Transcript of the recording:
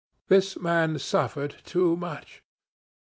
This man suffered too much.